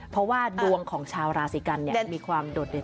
เพราะว่าดวงของชาวราศีกันมีความโดดเด่น